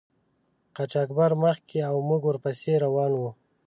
قاچاقبر مخکې او موږ ور پسې روان وو.